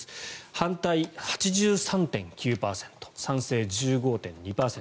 反対、８３．９％賛成が１５．２％。